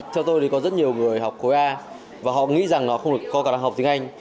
theo tôi thì có rất nhiều người học khối a và họ nghĩ rằng họ không có khả năng học tiếng anh